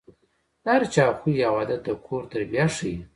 د هر چا خوی او عادت د کور تربیه ښيي.